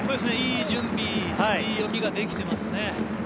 いい準備、いい読みができていますね。